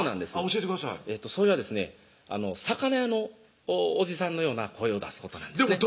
教えてくださいそれはですね魚屋のおじさんのような声を出すことなんですね